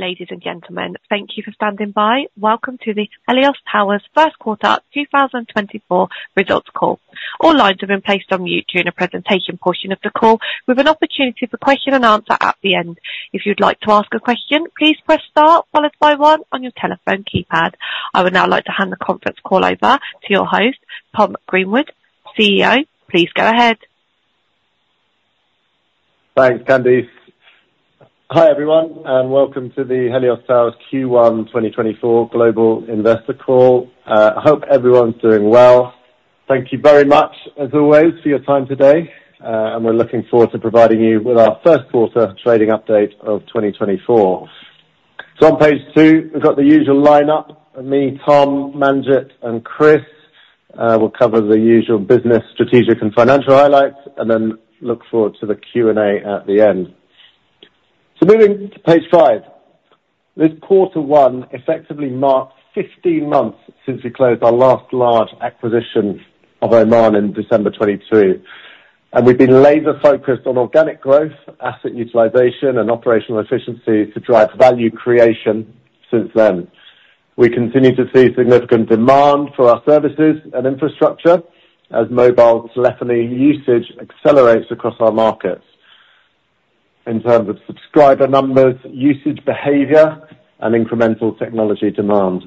Ladies and gentlemen, thank you for standing by. Welcome to the Helios Towers First Quarter 2024 Results Call. All lines have been placed on mute during the presentation portion of the call, with an opportunity for question and answer at the end. If you'd like to ask a question, please press star followed by one on your telephone keypad. I would now like to hand the conference call over to your host, Tom Greenwood, CEO. Please go ahead. Thanks, Candice. Hi, everyone, and welcome to the Helios Towers Q1 2024 global investor call. I hope everyone's doing well. Thank you very much, as always, for your time today, and we're looking forward to providing you with our first quarter trading update of 2024. So on page two, we've got the usual lineup, me, Tom, Manjit, and Chris. We'll cover the usual business, strategic, and financial highlights, and then look forward to the Q&A at the end. So moving to page five. This quarter one effectively marks 15 months since we closed our last large acquisition of Oman in December 2022, and we've been laser focused on organic growth, asset utilization, and operational efficiency to drive value creation since then. We continue to see significant demand for our services and infrastructure as mobile telephony usage accelerates across our markets, in terms of subscriber numbers, usage behavior, and incremental technology demand.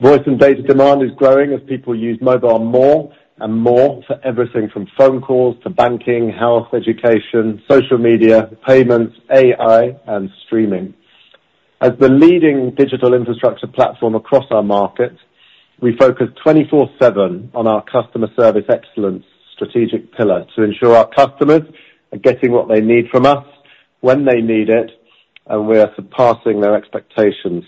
Voice and data demand is growing as people use mobile more and more for everything from phone calls to banking, health, education, social media, payments, AI, and streaming. As the leading digital infrastructure platform across our market, we focus 24/7 on our customer service excellence strategic pillar to ensure our customers are getting what they need from us, when they need it, and we are surpassing their expectations.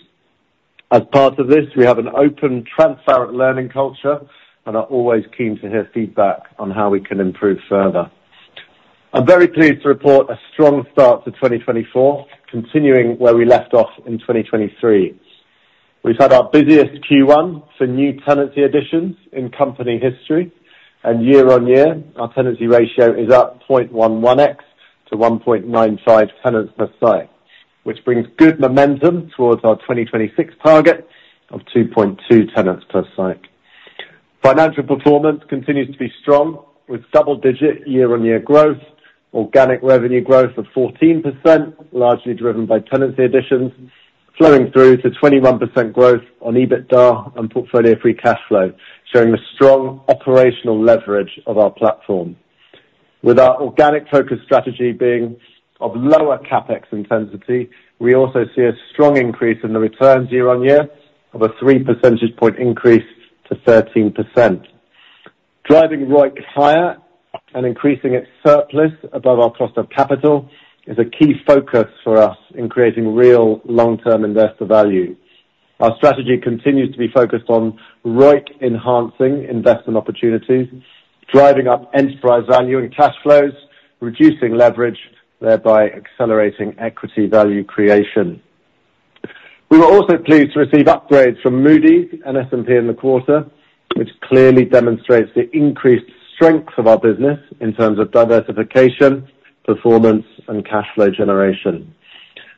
As part of this, we have an open, transparent learning culture and are always keen to hear feedback on how we can improve further. I'm very pleased to report a strong start to 2024, continuing where we left off in 2023. We've had our busiest Q1 for new tenancy additions in company history, and year-on-year, our tenancy ratio is up 1.1x to 1.95 tenants per site, which brings good momentum towards our 2026 target of 2.2 tenants per site. Financial performance continues to be strong, with double-digit year-on-year growth, organic revenue growth of 14%, largely driven by tenancy additions, flowing through to 21% growth on EBITDA and portfolio free cash flow, showing the strong operational leverage of our platform. With our organic focus strategy being of lower CapEx intensity, we also see a strong increase in the returns year-on-year of a three percentage point increase to 13%. Driving ROIC higher and increasing its surplus above our cost of capital is a key focus for us in creating real long-term investor value. Our strategy continues to be focused on ROIC-enhancing investment opportunities, driving up enterprise value and cash flows, reducing leverage, thereby accelerating equity value creation. We were also pleased to receive upgrades from Moody's and S&P in the quarter, which clearly demonstrates the increased strength of our business in terms of diversification, performance, and cash flow generation.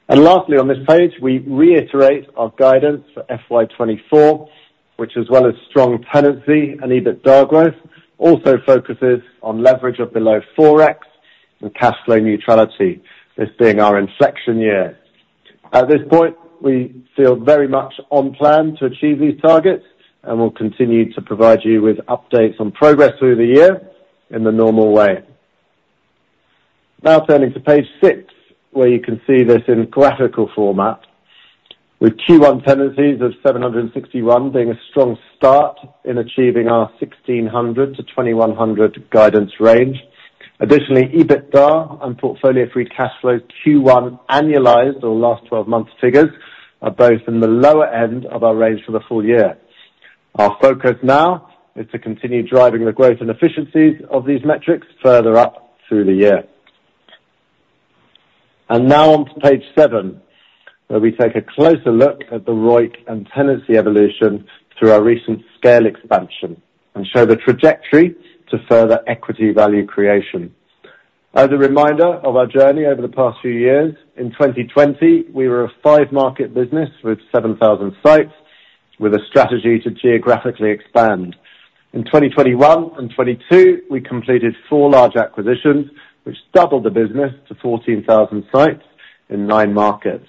And lastly, on this page, we reiterate our guidance for FY 2024, which, as well as strong tenancy and EBITDA growth, also focuses on leverage of below 4x and cashflow neutrality, this being our inflection year. At this point, we feel very much on plan to achieve these targets, and we'll continue to provide you with updates on progress through the year in the normal way. Now turning to page 6, where you can see this in graphical format. With Q1 tenancies of 761 being a strong start in achieving our 1,600-2,100 guidance range. Additionally, EBITDA and portfolio-free cash flow Q1 annualized, or last twelve months figures, are both in the lower end of our range for the full year. Our focus now is to continue driving the growth and efficiencies of these metrics further up through the year. And now on to page seven, where we take a closer look at the ROIC and tenancy evolution through our recent scale expansion and show the trajectory to further equity value creation. As a reminder of our journey over the past few years, in 2020, we were a five-market business with 7,000 sites, with a strategy to geographically expand. In 2021 and 2022, we completed four large acquisitions, which doubled the business to 14,000 sites in nine markets.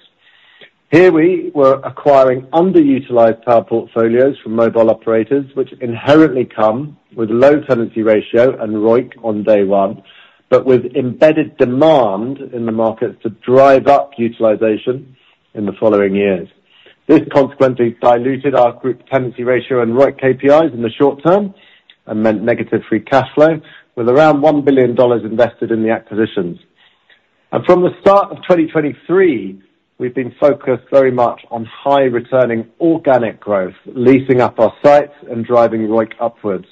Here, we were acquiring underutilized tower portfolios from mobile operators, which inherently come with low tenancy ratio and ROIC on day one, but with embedded demand in the markets to drive up utilization in the following years. This consequently diluted our group tenancy ratio and ROIC KPIs in the short term and meant negative free cash flow, with around $1 billion invested in the acquisitions. From the start of 2023, we've been focused very much on high-returning organic growth, leasing up our sites and driving ROIC upwards.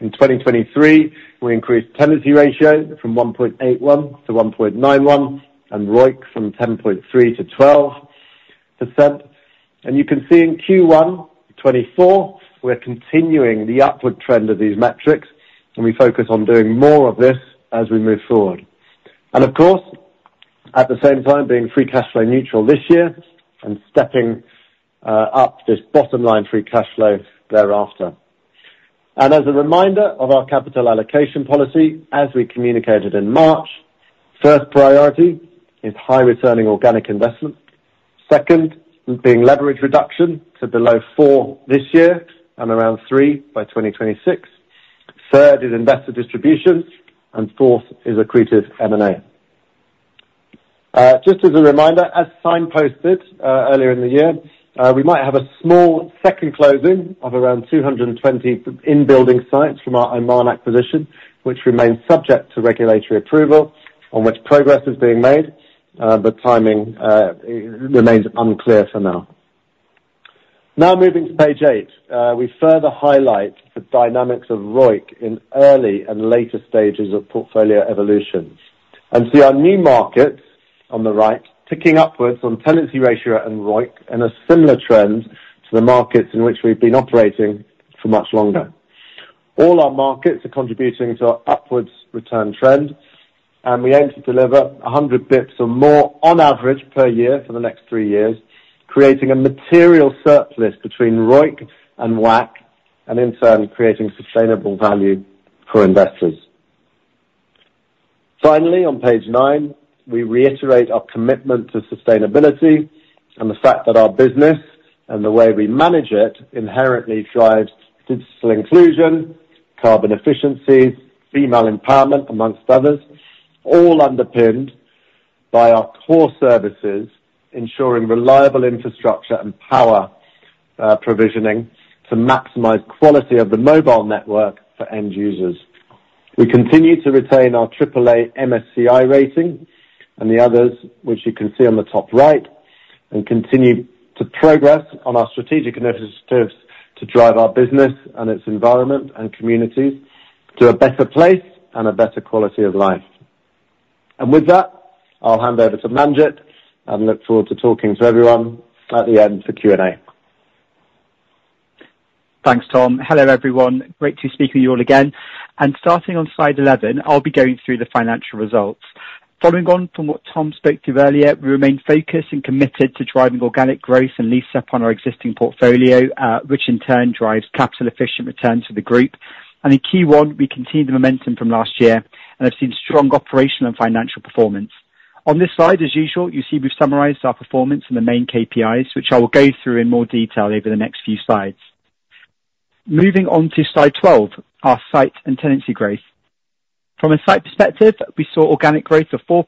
In 2023, we increased tenancy ratio from 1.81-1.91, and ROIC from 10.3%-12%. You can see in Q1 2024, we're continuing the upward trend of these metrics, and we focus on doing more of this as we move forward. Of course, at the same time, being free cash flow neutral this year and stepping up this bottom line free cash flow thereafter. As a reminder of our capital allocation policy, as we communicated in March, first priority is high returning organic investment. Second, being leverage reduction to below four this year and around 3 by 2026. Third, is investor distributions, and fourth is accretive M&A. Just as a reminder, as signposted earlier in the year, we might have a small second closing of around 220 in-building sites from our Oman acquisition, which remains subject to regulatory approval, on which progress is being made, but timing remains unclear for now. Now, moving to page eight, we further highlight the dynamics of ROIC in early and later stages of portfolio evolutions, and see our new markets on the right, ticking upwards on tenancy ratio and ROIC, in a similar trend to the markets in which we've been operating for much longer. All our markets are contributing to our upwards return trend, and we aim to deliver 100 basis points or more on average per year for the next 3 years, creating a material surplus between ROIC and WACC, and in turn, creating sustainable value for investors. Finally, on page nine, we reiterate our commitment to sustainability and the fact that our business, and the way we manage it, inherently drives digital inclusion, carbon efficiencies, female empowerment, among others, all underpinned by our core services, ensuring reliable infrastructure and power provisioning to maximize quality of the mobile network for end users. We continue to retain our triple-A MSCI rating and the others, which you can see on the top right, and continue to progress on our strategic initiatives to drive our business and its environment and communities to a better place and a better quality of life. With that, I'll hand over to Manjit, and look forward to talking to everyone at the end for Q&A. Thanks, Tom. Hello, everyone. Great to speak with you all again. Starting on slide 11, I'll be going through the financial results. Following on from what Tom spoke to earlier, we remain focused and committed to driving organic growth and lease up on our existing portfolio, which in turn drives capital efficient returns for the group. In Q1, we continued the momentum from last year, and have seen strong operational and financial performance. On this slide, as usual, you see we've summarized our performance in the main KPIs, which I will go through in more detail over the next few slides. Moving on to slide 12, our site and tenancy growth. From a site perspective, we saw organic growth of 4%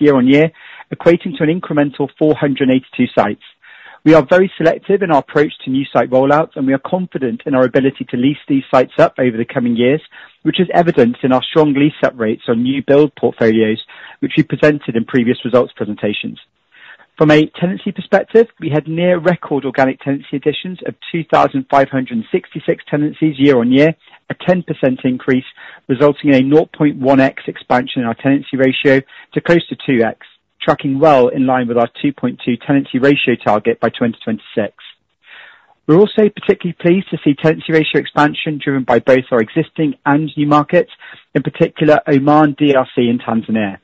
year-on-year, equating to an incremental 482 sites. We are very selective in our approach to new site rollouts, and we are confident in our ability to lease these sites up over the coming years, which is evident in our strong lease-up rates on new build portfolios, which we presented in previous results presentations. From a tenancy perspective, we had near record organic tenancy additions of 2,566 tenancies year-on-year, a 10% increase, resulting in a 0.1x expansion in our tenancy ratio to close to 2x, tracking well in line with our 2.2 tenancy ratio target by 2026. We're also particularly pleased to see tenancy ratio expansion driven by both our existing and new markets, in particular, Oman, DRC, and Tanzania.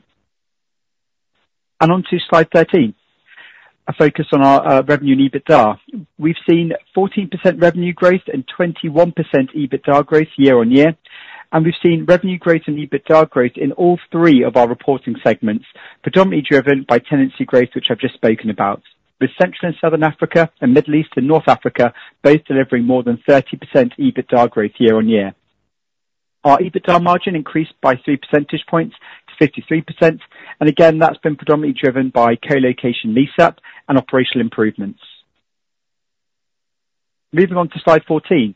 And on to slide 13, a focus on our revenue and EBITDA. We've seen 14% revenue growth and 21% EBITDA growth year-on-year, and we've seen revenue growth and EBITDA growth in all three of our reporting segments, predominantly driven by tenancy growth, which I've just spoken about, with Central and Southern Africa and Middle East and North Africa, both delivering more than 30% EBITDA growth year-on-year. Our EBITDA margin increased by three percentage points to 53%, and again, that's been predominantly driven by co-location lease up and operational improvements. Moving on to slide 14.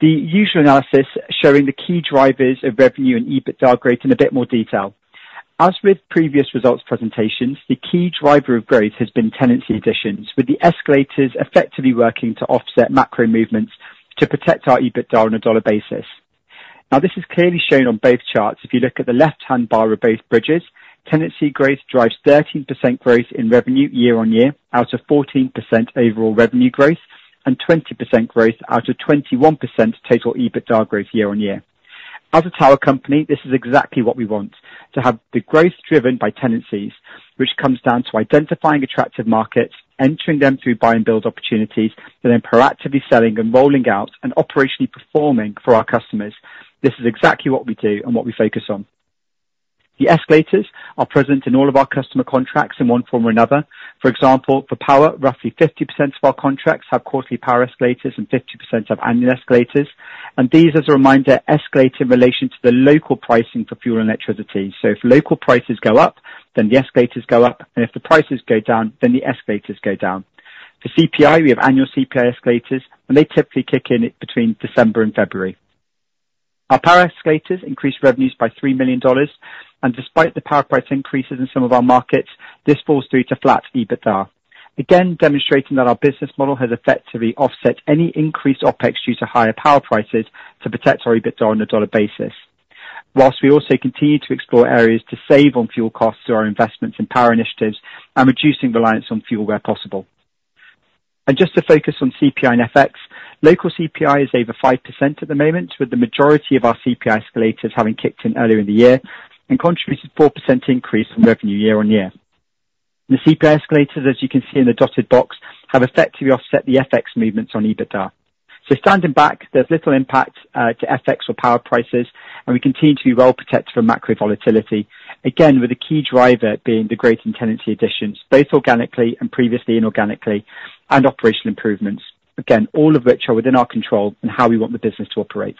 The usual analysis showing the key drivers of revenue and EBITDA growth in a bit more detail. As with previous results presentations, the key driver of growth has been tenancy additions, with the escalators effectively working to offset macro movements to protect our EBITDA on a dollar basis. Now, this is clearly shown on both charts. If you look at the left-hand bar of both bridges, tenancy growth drives 13% growth in revenue year-on-year, out of 14% overall revenue growth, and 20% growth out of 21% total EBITDA growth year-on-year. As a tower company, this is exactly what we want, to have the growth driven by tenancies, which comes down to identifying attractive markets, entering them through buy and build opportunities, and then proactively selling and rolling out and operationally performing for our customers. This is exactly what we do and what we focus on. The escalators are present in all of our customer contracts in one form or another. For example, for power, roughly 50% of our contracts have quarterly power escalators and 50% have annual escalators. These, as a reminder, escalate in relation to the local pricing for fuel and electricity. So if local prices go up, then the escalators go up, and if the prices go down, then the escalators go down. For CPI, we have annual CPI escalators, and they typically kick in between December and February. Our power escalators increased revenues by $3 million, and despite the power price increases in some of our markets, this falls through to flat EBITDA. Again, demonstrating that our business model has effectively offset any increased OpEx due to higher power prices to protect our EBITDA on a dollar basis, whilst we also continue to explore areas to save on fuel costs through our investments in power initiatives and reducing reliance on fuel where possible. And just to focus on CPI and FX, local CPI is over 5% at the moment, with the majority of our CPI escalators having kicked in earlier in the year and contributed 4% increase in revenue year-on-year. The CPI escalators, as you can see in the dotted box, have effectively offset the FX movements on EBITDA. So standing back, there's little impact to FX or power prices, and we continue to be well protected from macro volatility, again, with the key driver being the growth in tenancy additions, both organically and previously inorganically, and operational improvements. Again, all of which are within our control and how we want the business to operate.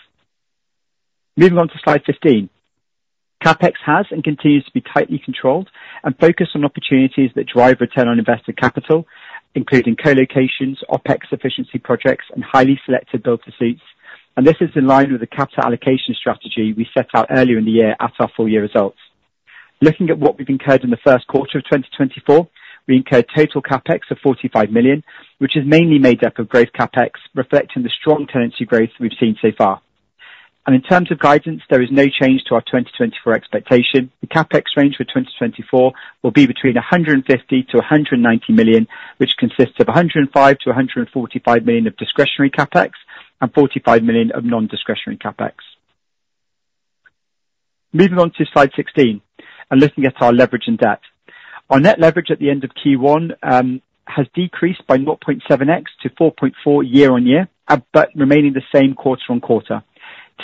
Moving on to slide 15. CapEx has and continues to be tightly controlled and focused on opportunities that drive return on invested capital, including co-locations, OpEx efficiency projects, and highly selected build-to-suits, and this is in line with the capital allocation strategy we set out earlier in the year at our full year results. Looking at what we've incurred in the first quarter of 2024, we incurred total CapEx of $45 million, which is mainly made up of growth CapEx, reflecting the strong tenancy growth we've seen so far. In terms of guidance, there is no change to our 2024 expectation. The CapEx range for 2024 will be between $150 million-$190 million, which consists of $105 million-$145 million of discretionary CapEx and $45 million of non-discretionary CapEx. Moving on to slide 16, and looking at our leverage and debt. Our net leverage at the end of Q1 has decreased by 0.7x to 4.4 year-on-year, but remaining the same quarter-on-quarter.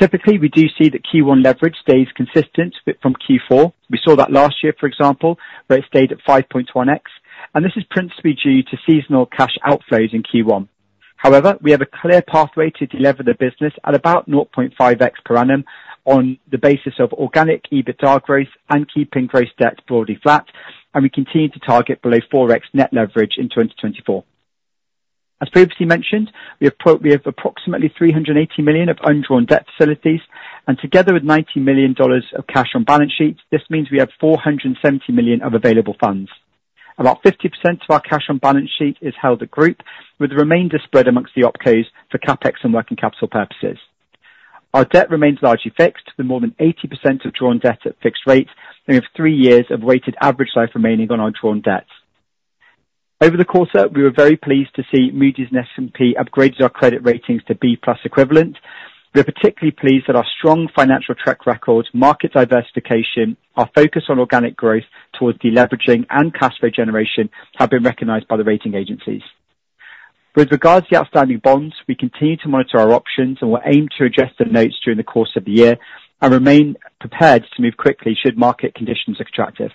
Typically, we do see that Q1 leverage stays consistent from Q4. We saw that last year, for example, where it stayed at 5.1x, and this is principally due to seasonal cash outflows in Q1. However, we have a clear pathway to delever the business at about 0.5x per annum on the basis of organic EBITDA growth and keeping gross debt broadly flat, and we continue to target below 4x net leverage in 2024. As previously mentioned, we have approximately $380 million of undrawn debt facilities, and together with $90 million of cash on balance sheet, this means we have $470 million of available funds. About 50% of our cash on balance sheet is held at group, with the remainder spread among the opcos for CapEx and working capital purposes. Our debt remains largely fixed, with more than 80% of drawn debt at fixed rates, and we have three years of weighted average life remaining on our drawn debts. Over the quarter, we were very pleased to see Moody's and S&P upgraded our credit ratings to B+ equivalent. We are particularly pleased that our strong financial track record, market diversification, our focus on organic growth towards deleveraging and cash flow generation, have been recognized by the rating agencies. With regards to the outstanding bonds, we continue to monitor our options and will aim to address the notes during the course of the year and remain prepared to move quickly should market conditions look attractive.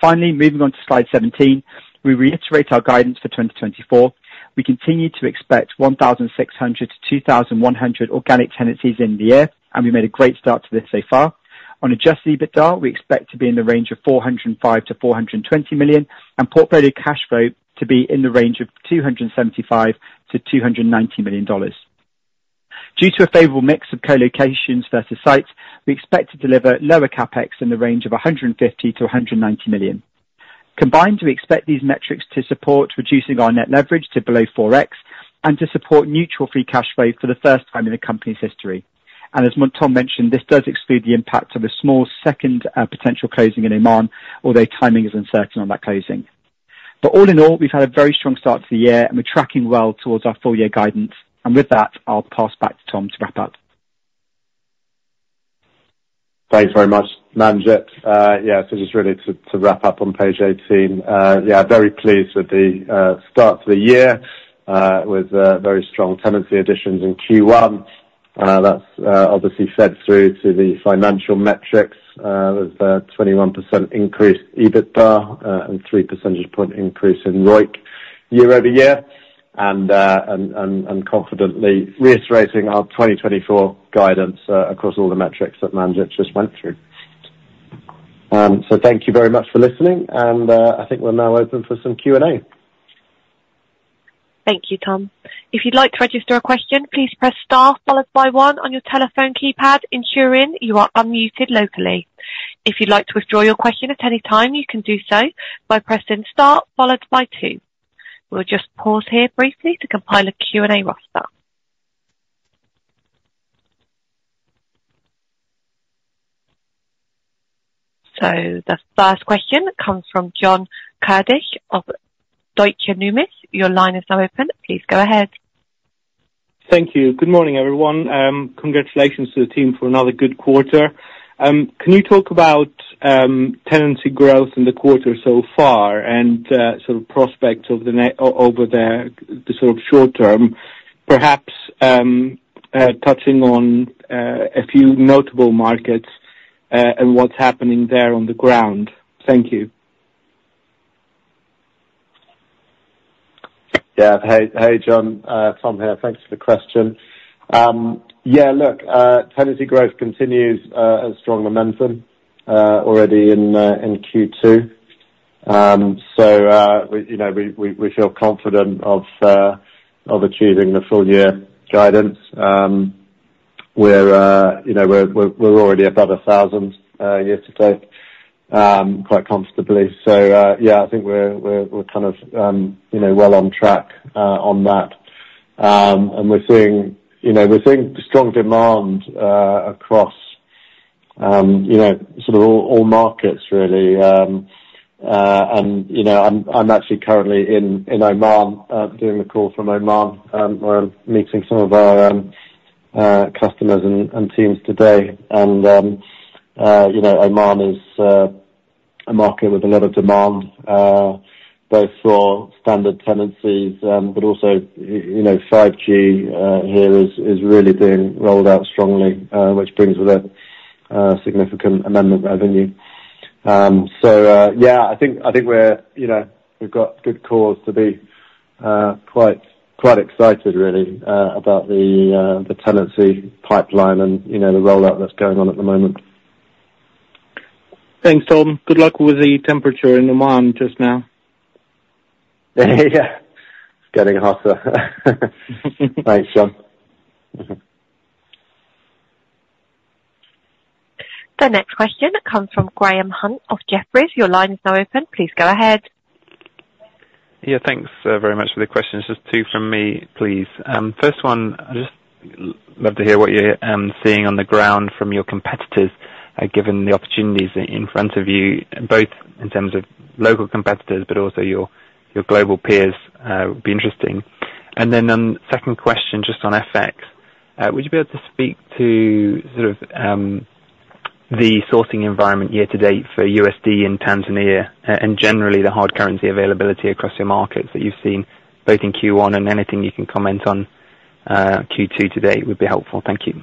Finally, moving on to slide 17, we reiterate our guidance for 2024. We continue to expect 1,600-2,100 organic tenancies in the year, and we made a great start to this so far. On Adjusted EBITDA, we expect to be in the range of $405 million-$420 million, and portfolio cash flow to be in the range of $275 million-$290 million. Due to a favorable mix of co-locations versus sites, we expect to deliver lower CapEx in the range of $150 million-$190 million. Combined, we expect these metrics to support reducing our net leverage to below 4x and to support neutral free cash flow for the first time in the company's history. As Tom mentioned, this does exclude the impact of a small second potential closing in Oman, although timing is uncertain on that closing. But all in all, we've had a very strong start to the year, and we're tracking well towards our full year guidance. And with that, I'll pass back to Tom to wrap up. Thanks very much, Manjit. Yeah, so just really to wrap up on page 18. Yeah, very pleased with the start to the year, with very strong tenancy additions in Q1. That's obviously fed through to the financial metrics, with a 21% increase EBITDA, and three percentage point increase in ROIC year-over-year, and confidently reiterating our 2024 guidance, across all the metrics that Manjit just went through. So thank you very much for listening, and I think we're now open for some Q&A. Thank you, Tom. If you'd like to register a question, please press star followed by one on your telephone keypad, ensuring you are unmuted locally. If you'd like to withdraw your question at any time, you can do so by pressing star followed by two. We'll just pause here briefly to compile a Q&A roster. So the first question comes from John Karidis of Deutsche Numis. Your line is now open. Please go ahead. Thank you. Good morning, everyone. Congratulations to the team for another good quarter. Can you talk about tenancy growth in the quarter so far and sort of prospects over the short term, perhaps, touching on a few notable markets and what's happening there on the ground? Thank you. Yeah. Hey, hey, John, Tom here. Thanks for the question. Yeah, look, tenancy growth continues a strong momentum already in Q2. So, we, you know, we feel confident of achieving the full year guidance. We're, you know, we're already above 1,000 year to date quite comfortably. So, yeah, I think we're kind of, you know, well on track on that. And we're seeing, you know, we're seeing strong demand across, you know, sort of all markets really. And, you know, I'm actually currently in Oman doing the call from Oman. Where I'm meeting some of our customers and teams today, and you know, Oman is a market with a lot of demand both for standard tenancies, but also, you know, 5G here is really being rolled out strongly, which brings with it significant amendment revenue. So yeah, I think we're, you know, we've got good cause to be quite excited really about the tenancy pipeline and, you know, the rollout that's going on at the moment. Thanks, Tom. Good luck with the temperature in Oman just now. Yeah. It's getting hotter. Thanks, John. The next question comes from Graham Hunt of Jefferies. Your line is now open. Please go ahead. Yeah, thanks, very much for the questions. Just two from me, please. First one, I'd just love to hear what you're seeing on the ground from your competitors, given the opportunities in front of you, both in terms of local competitors, but also your global peers, would be interesting. And then, second question, just on FX. Would you be able to speak to sort of the sourcing environment year to date for USD in Tanzania, and generally the hard currency availability across your markets that you've seen, both in Q1 and anything you can comment on Q2 to date, would be helpful. Thank you.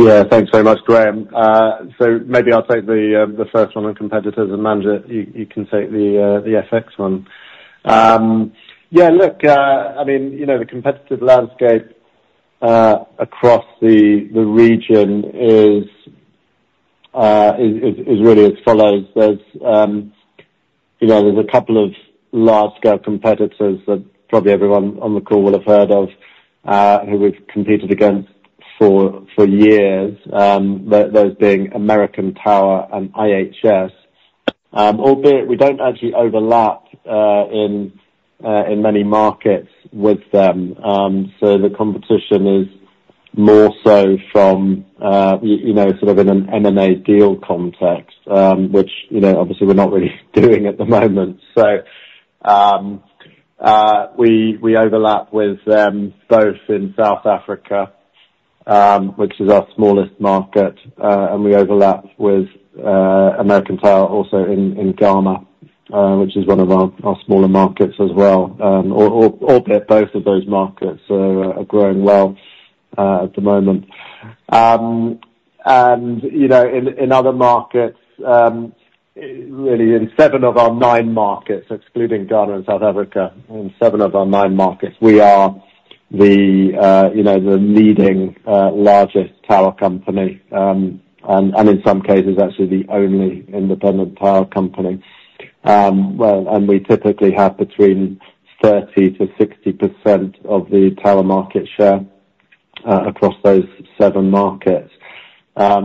Yeah. Thanks very much, Graham. So maybe I'll take the first one on competitors, and Manjit, you can take the FX one. Yeah, look, I mean, you know, the competitive landscape across the region is really as follows: There's you know, there's a couple of large-scale competitors that probably everyone on the call will have heard of, who we've competed against for years, those being American Tower and IHS. Albeit we don't actually overlap in many markets with them, so the competition is more so from you know, sort of in an M&A deal context, which, you know, obviously we're not really doing at the moment. So, we overlap with them both in South Africa, which is our smallest market, and we overlap with American Tower also in Ghana, which is one of our smaller markets as well. Albeit both of those markets are growing well at the moment. And, you know, in other markets, really in seven of our nine markets, excluding Ghana and South Africa, in seven of our nine markets, we are the, you know, the leading largest tower company, and in some cases, actually the only independent tower company. Well, and we typically have between 30%-60% of the tower market share across those seven markets,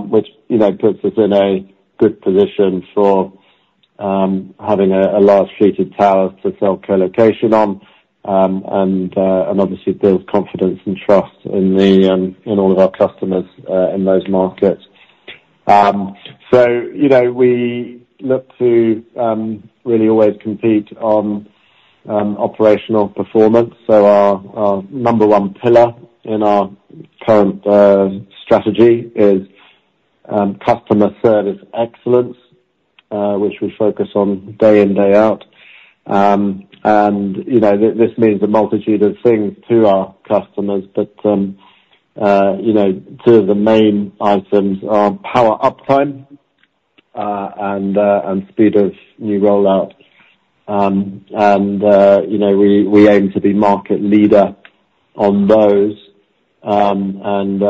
which, you know, puts us in a good position for having a large suite of towers to sell colocation on, and obviously builds confidence and trust in all of our customers in those markets. You know, we look to really always compete on operational performance. Our number one pillar in our current strategy is customer service excellence, which we focus on day in, day out. You know, this means a multitude of things to our customers, but, you know, two of the main items are power uptime and speed of new rollout. And, you know, we aim to be market leader on those, and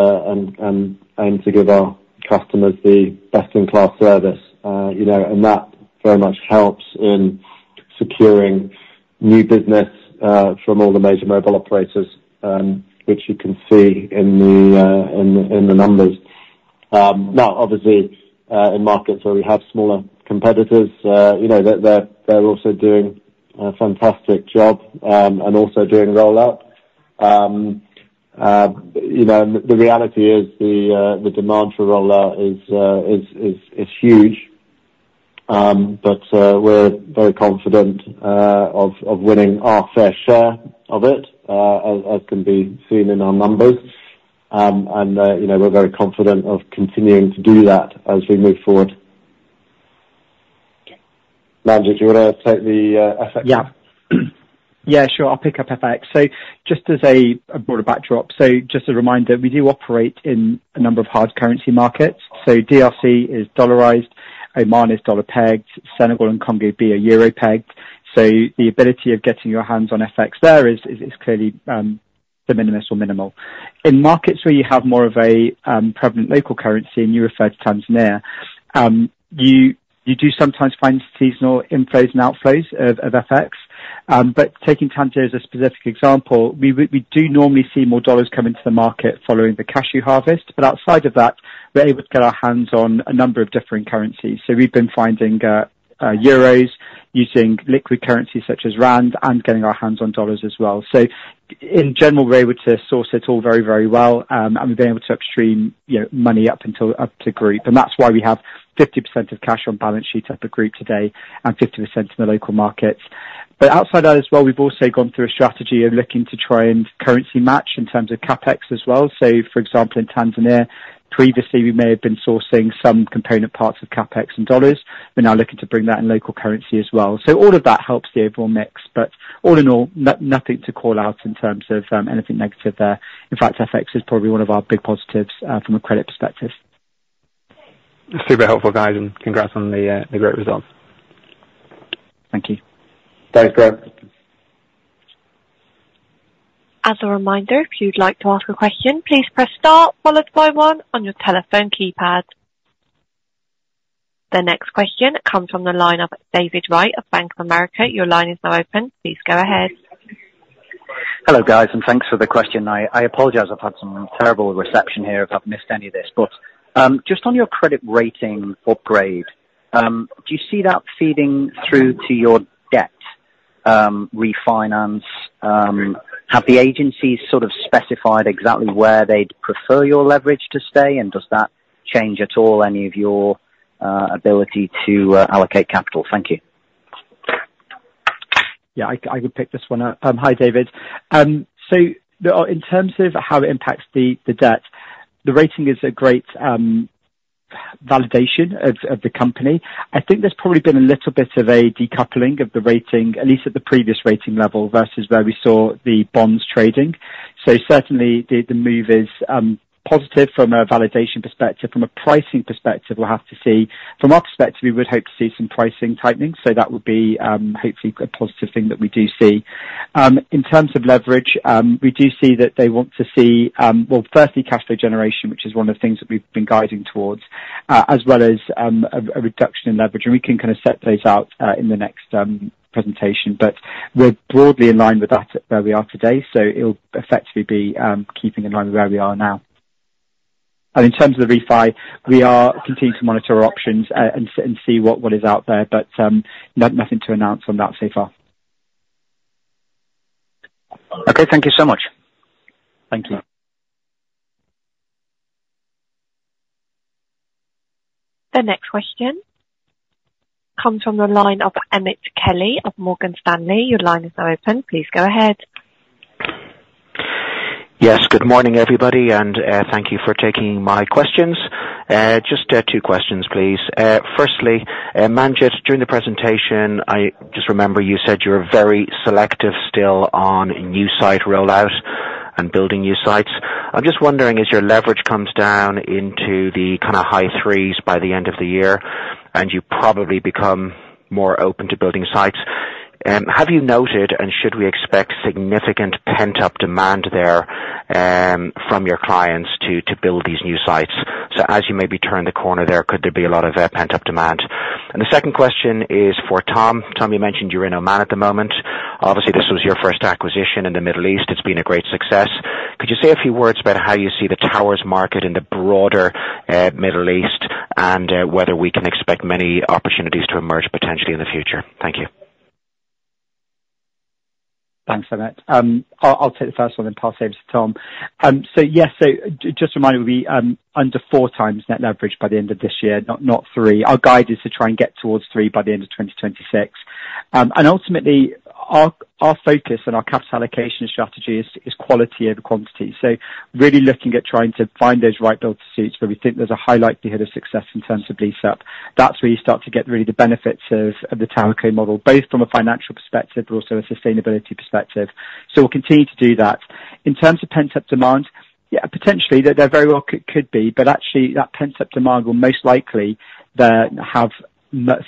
to give our customers the best-in-class service. You know, and that very much helps in securing new business from all the major mobile operators, which you can see in the numbers. Now, obviously, in markets where we have smaller competitors, you know, they're also doing a fantastic job, and also doing rollout. You know, the reality is, the demand for rollout is huge. But, we're very confident of winning our fair share of it, as can be seen in our numbers. And, you know, we're very confident of continuing to do that as we move forward. Manjit, do you wanna take the FX? Yeah. Yeah, sure. I'll pick up FX. So just as a broader backdrop, so just a reminder, we do operate in a number of hard currency markets. So DRC is dollarized, Oman is dollar-pegged, Senegal and Congo B are euro-pegged. So the ability of getting your hands on FX there is clearly de minimis or minimal. In markets where you have more of a prevalent local currency, and you referred to Tanzania, you do sometimes find seasonal inflows and outflows of FX. But taking Tanzania as a specific example, we do normally see more dollars come into the market following the cashew harvest, but outside of that, we're able to get our hands on a number of different currencies. So we've been finding euros, using liquid currencies such as rand, and getting our hands on dollars as well. So in general, we're able to source it all very, very well, and we've been able to remit, you know, money up to group. And that's why we have 50% of cash on balance sheets at the group today, and 50% in the local markets. But outside that as well, we've also gone through a strategy of looking to try and currency match in terms of CapEx as well. So for example, in Tanzania, previously we may have been sourcing some component parts of CapEx in dollars, we're now looking to bring that in local currency as well. So all of that helps the overall mix, but all in all, nothing to call out in terms of anything negative there. In fact, FX is probably one of our big positives, from a credit perspective. Super helpful, guys, and congrats on the great results. Thank you. Thanks, Graham. As a reminder, if you'd like to ask a question, please press star followed by one on your telephone keypad. The next question comes from the line of David Wright of Bank of America. Your line is now open. Please go ahead. Hello, guys, and thanks for the question. I, I apologize, I've had some terrible reception here, if I've missed any of this, but, just on your credit rating upgrade, do you see that feeding through to your debt, refinance? Have the agencies sort of specified exactly where they'd prefer your leverage to stay, and does that change at all any of your, ability to, allocate capital? Thank you. Yeah, I can pick this one up. Hi, David. So in terms of how it impacts the debt, the rating is a great validation of the company. I think there's probably been a little bit of a decoupling of the rating, at least at the previous rating level, versus where we saw the bonds trading. So certainly the move is positive from a validation perspective. From a pricing perspective, we'll have to see. From our perspective, we would hope to see some pricing tightening, so that would be hopefully a positive thing that we do see. In terms of leverage, we do see that they want to see. Well, firstly, cash flow generation, which is one of the things that we've been guiding towards, as well as a reduction in leverage. And we can kind of set those out in the next presentation, but we're broadly in line with that, where we are today, so it'll effectively be keeping in line with where we are now. And in terms of the refi, we are continuing to monitor our options and see what is out there, but nothing to announce on that so far. Okay, thank you so much. Thank you. The next question comes from the line of Emmet Kelly of Morgan Stanley. Your line is now open. Please go ahead. Yes. Good morning, everybody, and thank you for taking my questions. Just two questions, please. Firstly, Manjit, during the presentation, I just remember you said you were very selective still on new site rollout and building new sites. I'm just wondering, as your leverage comes down into the kind of high threes by the end of the year, and you probably become more open to building sites, have you noted, and should we expect significant pent-up demand there, from your clients to build these new sites? So as you maybe turn the corner there, could there be a lot of pent-up demand? And the second question is for Tom. Tom, you mentioned you're in Oman at the moment. Obviously, this was your first acquisition in the Middle East. It's been a great success. Could you say a few words about how you see the towers market in the broader, Middle East, and whether we can expect many opportunities to emerge potentially in the future? Thank you. Thanks, Emmett. I'll take the first one then pass over to Tom. So yes, so just to remind, we're under 4x net leverage by the end of this year, not, not three. Our guide is to try and get towards 3x by the end of 2026. And ultimately, our focus and our capital allocation strategy is quality over quantity. So really looking at trying to find those right build-to-suits, where we think there's a high likelihood of success in terms of lease-up. That's where you start to get really the benefits of the TowerCo model, both from a financial perspective, but also a sustainability perspective. So we'll continue to do that. In terms of pent-up demand, yeah, potentially, there very well could be, but actually, that pent-up demand will most likely have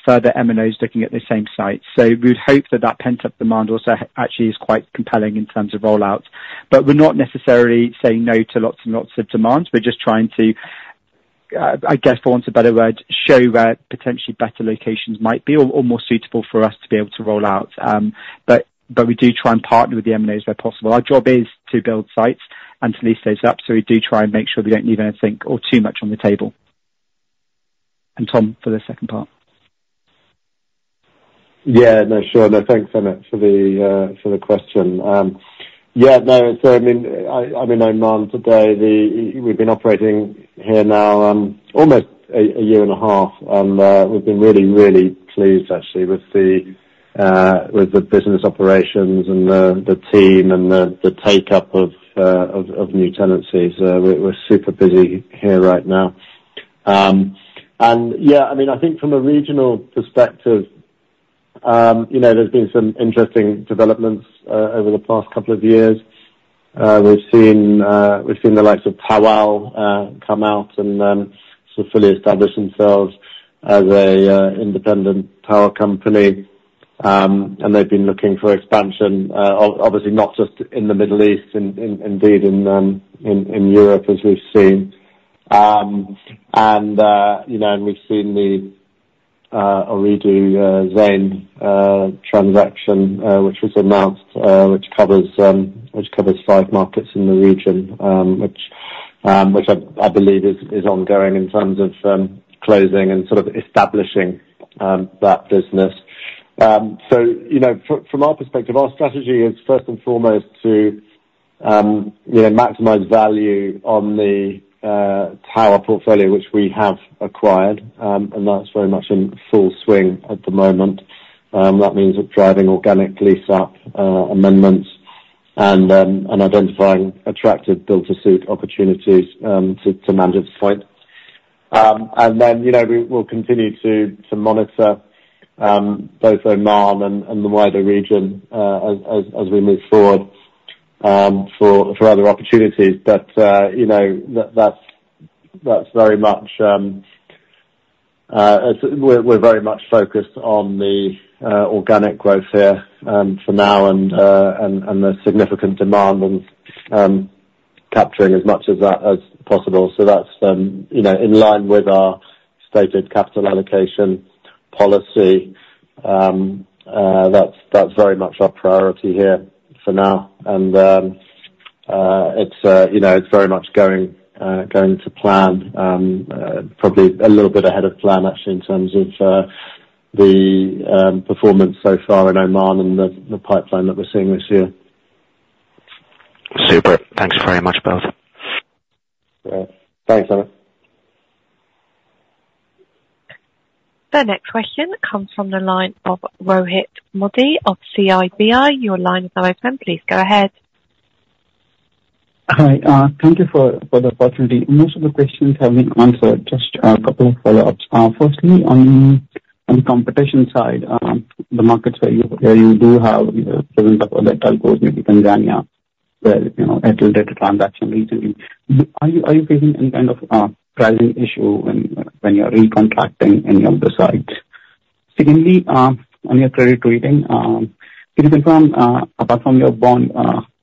further MNOs looking at the same site. So we'd hope that that pent-up demand also actually is quite compelling in terms of rollout. But we're not necessarily saying no to lots and lots of demands. We're just trying to, I guess, for want a better word, show where potentially better locations might be or more suitable for us to be able to roll out. But we do try and partner with the MNOs where possible. Our job is to build sites and to lease those up, so we do try and make sure we don't leave anything or too much on the table. And Tom, for the second part. Yeah, no, sure. No, thanks, Emmet, for the question. Yeah, no, so I mean, I, I'm in Oman today. We've been operating here now, almost a year and a half, and we've been really, really pleased actually with the business operations and the team and the take-up of new tenancies. We're super busy here right now. And yeah, I mean, I think from a regional perspective, you know, there's been some interesting developments over the past couple of years. We've seen, we've seen the likes of TAWAL come out and sort of fully establish themselves as an independent power company. And they've been looking for expansion, obviously not just in the Middle East, indeed, in Europe, as we've seen. And, you know, and we've seen the Ooredoo Zain transaction, which was announced, which covers five markets in the region, which I believe is ongoing in terms of closing and sort of establishing that business. So, you know, from our perspective, our strategy is first and foremost to, you know, maximize value on the tower portfolio, which we have acquired. That means driving organic lease up amendments, and identifying attractive build-to-suit opportunities, to manage this point. And then, you know, we will continue to monitor both Oman and the wider region as we move forward for other opportunities. But, you know, that's very much we're very much focused on the organic growth here for now, and the significant demand and capturing as much of that as possible. So that's, you know, in line with our stated capital allocation policy. That's very much our priority here for now. And it's, you know, it's very much going to plan, probably a little bit ahead of plan, actually, in terms of the performance so far in Oman and the pipeline that we're seeing this year. Super. Thanks very much, both. Yeah. Thanks Emmet. The next question comes from the line of Rohit Modi of Citi. Your line is open. Please go ahead. Hi. Thank you for the opportunity. Most of the questions have been answered. Just a couple of follow-ups. Firstly, on the competition side, the markets where you do have, you know, presence of other telcos, maybe Tanzania, where, you know, Airtel did a transaction recently. Are you facing any kind of pricing issue when you are recontracting any of the sites? Secondly, on your credit rating, apart from your bond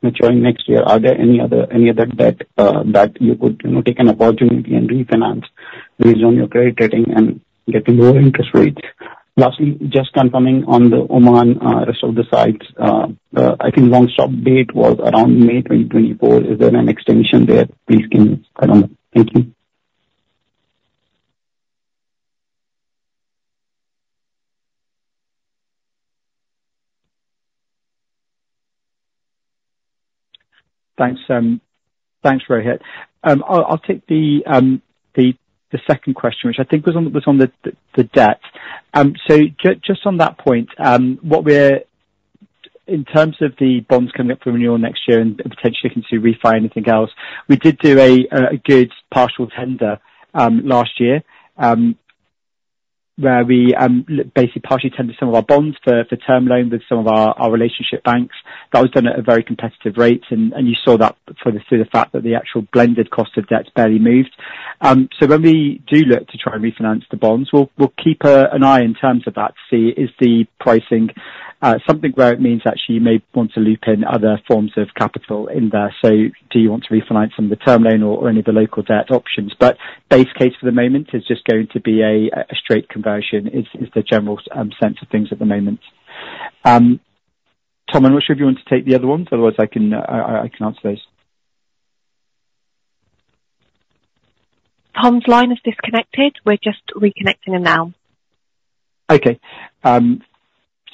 maturing next year, are there any other debt that you could, you know, take an opportunity and refinance based on your credit rating and get lower interest rates? Lastly, just confirming on the Oman rest of the sites, I think one-stop date was around May 2024. Is there an extension there, please, can you comment? Thank you. Thanks, Rohit. I'll take the second question, which I think was on the debt. So just on that point, what we're... In terms of the bonds coming up for renewal next year and potentially looking to refi anything else, we did a good partial tender last year, where we basically partially tendered some of our bonds for term loan with some of our relationship banks. That was done at a very competitive rate, and you saw that through the fact that the actual blended cost of debt barely moved. So when we do look to try and refinance the bonds, we'll keep an eye in terms of that to see, is the pricing something where it means that you may want to loop in other forms of capital in there. So do you want to refinance some of the term loan or any of the local debt options? But base case for the moment is just going to be a straight conversion, is the general sense of things at the moment. Tom, unless you want to take the other ones, otherwise I can answer those. Tom's line is disconnected. We're just reconnecting him now. Okay.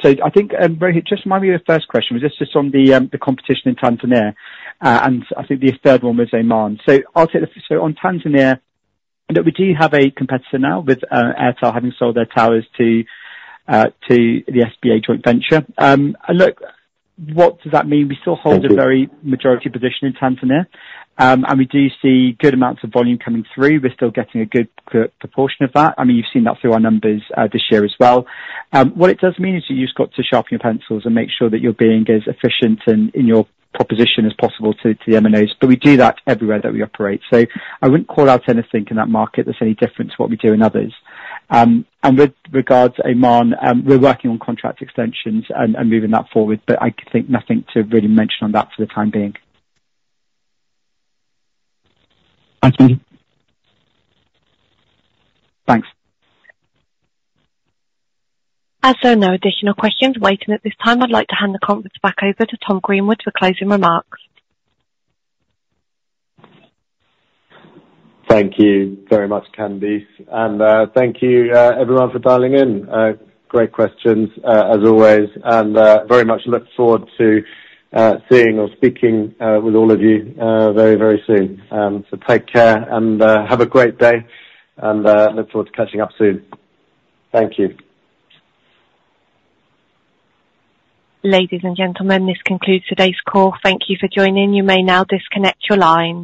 So I think, Rohit, just remind me of the first question. Was this just on the competition in Tanzania? And I think the third one was Oman. So I'll take the... So on Tanzania, look, we do have a competitor now, with Airtel having sold their towers to the SBA joint venture. Look, what does that mean? Thank you. We still hold a very majority position in Tanzania, and we do see good amounts of volume coming through. We're still getting a good proportion of that. I mean, you've seen that through our numbers, this year as well. What it does mean is that you've just got to sharpen your pencils and make sure that you're being as efficient in your position as possible to the M&As. But we do that everywhere that we operate. So I wouldn't call out anything in that market that's any different to what we do in others. And with regards to Oman, we're working on contract extensions and moving that forward, but I think nothing to really mention on that for the time being. Thank you. Thanks. As there are no additional questions waiting at this time, I'd like to hand the conference back over to Tom Greenwood for closing remarks. Thank you very much, Candice, and thank you everyone for dialing in. Great questions as always, and very much look forward to seeing or speaking with all of you very, very soon. So take care and have a great day, and look forward to catching up soon. Thank you. Ladies and gentlemen, this concludes today's call. Thank you for joining. You may now disconnect your lines.